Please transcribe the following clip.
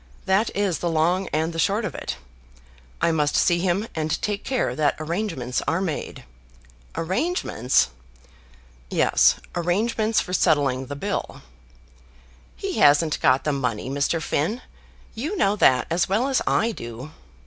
That is the long and the short of it. I must see him and take care that arrangements are made." "Arrangements!" "Yes, arrangements for settling the bill." "He hasn't got the money, Mr. Finn. You know that as well as I do."